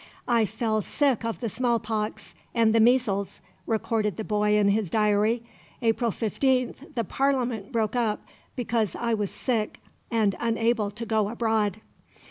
"I fell sick of the smallpox and the measles," recorded the boy in his diary. "April 15th the Parliament broke up because I was sick and unable to go abroad."